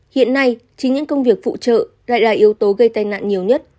hiện nay chính những công việc phụ trợ lại là yếu tố gây tai nạn nhiều nhất